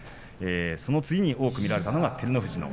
その次に多く見られたのが照ノ富士と。